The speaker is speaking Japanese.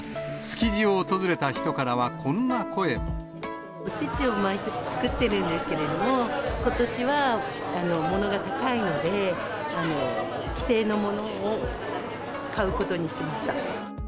ただ、おせちを毎年作ってるんですけれども、ことしはものが高いので、既製のものを買うことにしました。